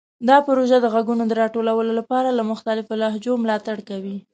دا پروژه د غږونو د راټولولو لپاره د مختلفو لهجو ملاتړ کوي.